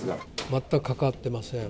全く関わってません。